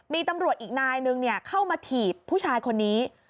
มีตำรวจอีกนายนึงเข้ามาถีบผู้ชายคนนี้